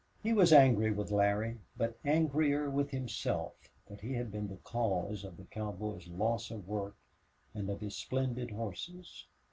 He was angry with Larry, but angrier with himself that he had been the cause of the cowboy's loss of work and of his splendid horses.